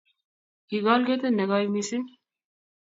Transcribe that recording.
Kikol ketit ne koi missing